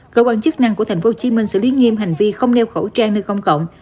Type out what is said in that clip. cơ quan chức năng của tp hcm sẽ liên nghiêm hành vi không đeo khẩu trang nơi công cộng